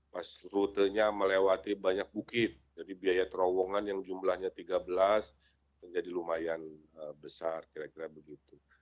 pas rutenya melewati banyak bukit jadi biaya terowongan yang jumlahnya tiga belas menjadi lumayan besar kira kira begitu